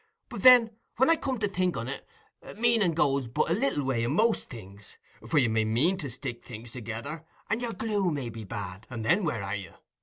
But then, when I come to think on it, meanin' goes but a little way i' most things, for you may mean to stick things together and your glue may be bad, and then where are you?